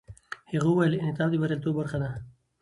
هغه وویل، انعطاف د بریالیتوب برخه ده.